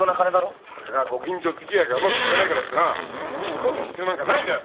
たかがご近所付き合いがうまくいってないからってな引っ越す必要なんかないんだよ。